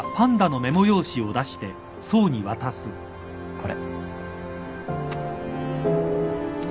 これ。